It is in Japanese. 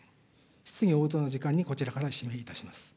質疑応答の時間に、こちらから指名いたします。